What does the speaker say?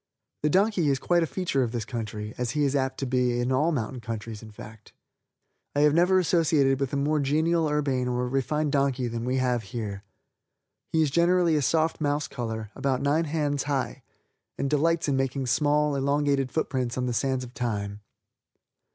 The donkey is quite a feature of this country as he is apt to be of all mountain countries in fact. I have never associated with a more genial urbane or refined donkey than we have here. He is generally a soft mouse color, about nine hands high, and delights in making small, elongated foot prints on the sands of time.